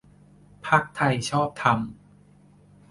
พรรคไทยชอบธรรม